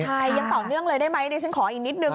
ใช่ยังต่อเนื่องเลยได้ไหมดิฉันขออีกนิดนึง